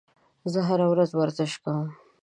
زه هره ورځ ورزش کوم.